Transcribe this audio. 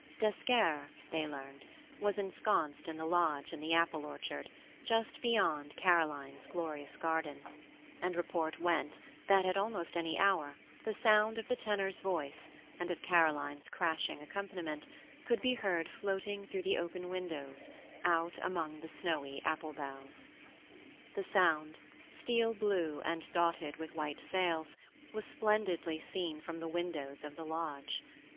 D'Esquerre, they learned, was ensconced in the lodge in the apple orchard, just beyond Caroline's glorious garden, and report went that at almost any hour the sound of the tenor's voice and of Caroline's crashing accompaniment could be heard floating through the open windows, out among the snowy apple boughs. The Sound, steel blue and dotted with white sails, was splendidly seen from the windows of the lodge.